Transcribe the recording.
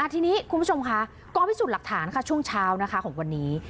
ทีนี้คุณผู้ชมค่ะกองพิสูจน์หลักฐานค่ะช่วงเช้าของวันนี้